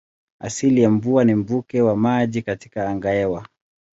Asili ya mvua ni mvuke wa maji katika angahewa.